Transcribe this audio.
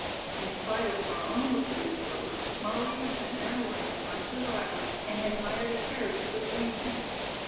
In spite of her own depleted purse, Molly had sent Madeleine a bunch of violets and had hired a carriage for the evening.